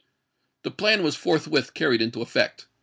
The plan was forthwith carried into effect.